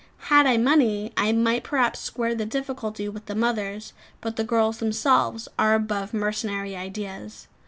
Had I money, I might perhaps square the difficulty with the mothers; but the girls themselves are above mercenary ideas.